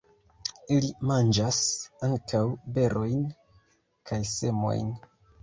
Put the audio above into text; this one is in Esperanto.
Ili manĝas ankaŭ berojn kaj semojn.